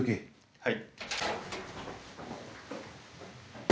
はい。